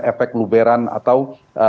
efek luberan atau